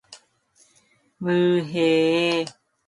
올해에 아직까지 책을 한 권도 안 읽었다고?